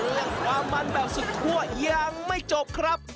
และความมันแบบสุดทั่วยังไม่จบครับ